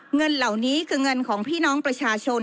เงินเหล่านี้คือเงินของพี่น้องประชาชน